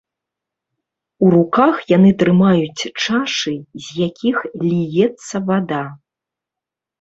У руках яны трымаюць чашы, з якіх ліецца вада.